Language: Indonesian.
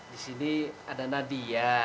di sini ada nadia